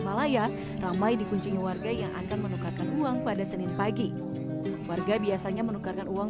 malaya ramai dikunci warga yang akan menukarkan uang pada senin pagi warga biasanya menukarkan uang